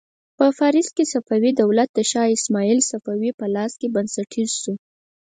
په فارس کې صفوي دولت د شا اسماعیل صفوي په لاس بنسټیز شو.